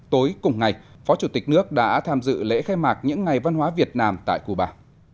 tối cùng ngày phó chủ tịch nước đã tham dự lễ khai mạc những ngày văn hóa việt nam tại cuba